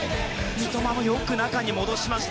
三笘もよく中に戻しました。